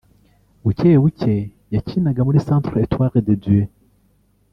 Bukebuke yakinaga muri Centre Etoile de Dieu